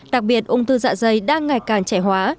đặc biệt ung thư dạ dày đang ngày càng trẻ hóa